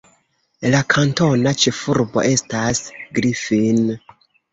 La kantona ĉefurbo estas Griffin.